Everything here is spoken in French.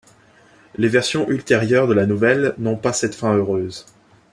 Les versions ultérieures de la nouvelle n’ont pas cette fin heureuse.